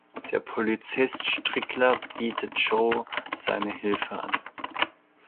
Der Polizist Strickler bietet Joe seine Hilfe an.